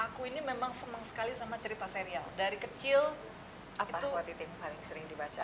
aku ini memang senang sekali sama cerita serial dari kecil apa squati tim paling sering dibaca